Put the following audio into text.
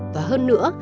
và hơn nữa